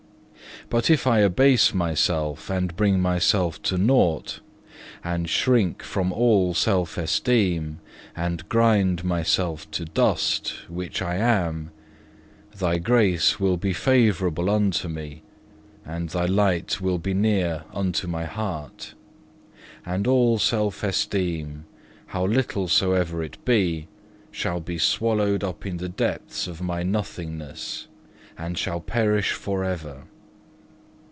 But if I abase myself, and bring myself to nought, and shrink from all self esteem, and grind myself to dust, which I am, Thy grace will be favourable unto me, and Thy light will be near unto my heart; and all self esteem, how little soever it be, shall be swallowed up in the depths of my nothingness, and shall perish for ever.